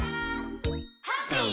「ハッピー！」